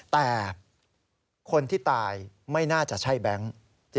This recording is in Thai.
แต่คนที่ตายไม่น่าจะใช่แบงค์